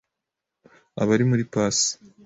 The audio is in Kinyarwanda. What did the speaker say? Aba ari muri Pass